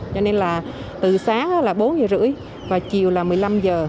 cho nên là từ sáng là bốn h ba mươi và chiều là một mươi năm h